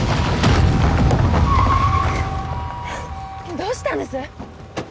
どうしたんです？